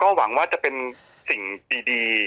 หวังว่าจะเป็นสิ่งดี